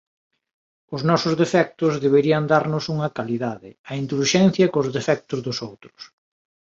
Os nosos defectos deberían darnos unha calidade: a indulxencia cos defectos dos outros.